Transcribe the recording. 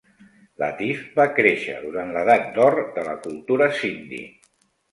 Latif va créixer durant l'edat d'or de la cultura Sindhi.